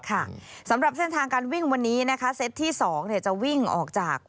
สำหรับเส้นทางการวิ่งวันนี้นะคะเซตที่๒จะวิ่งออกจาก